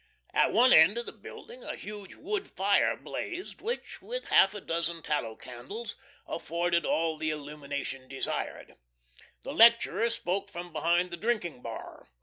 At one end of the building a huge wood fire blazed, which, with half a dozen tallow candles, afforded all the illumination desired. The lecturer spoke from behind the drinking bar.